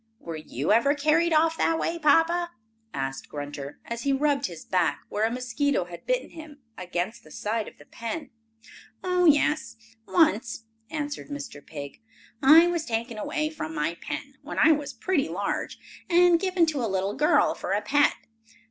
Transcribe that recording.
"Were you ever carried off that way, Papa?" asked Grunter, as he rubbed his back, where a mosquito had bitten him, against the side of the pen. "Oh, yes, once," answered Mr. Pig. "I was taken away from my pen, when I was pretty large, and given to a little girl for a pet.